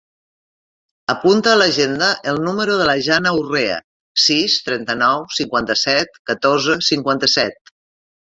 Apunta a l'agenda el número de la Janna Urrea: sis, trenta-nou, cinquanta-set, catorze, cinquanta-set.